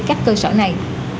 các cơ sở này